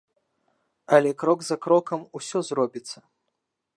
Але крок за крокам усё зробіцца.